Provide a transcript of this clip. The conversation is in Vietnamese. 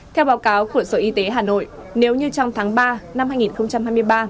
theo báo cáo của sở y tế hà nội nếu như trong tháng ba năm hai nghìn hai mươi ba